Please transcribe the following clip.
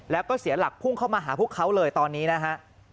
แล้วก็เสียหลักพุ่งเข้ามาหาพวกเขาเลยตอนนี้นะฮะ